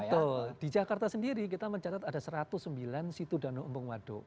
betul di jakarta sendiri kita mencatat ada satu ratus sembilan situ danau embung waduk